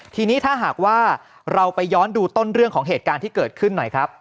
ทีนี้ถ้าหากว่าเราไปย้อนดูต้นเรื่องของเหตุการณ์ที่เกิดขึ้นหน่อยครับ